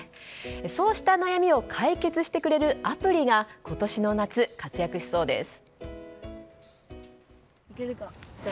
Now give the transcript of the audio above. そうした悩みを解決してくれるアプリが今年の夏活躍しそうです。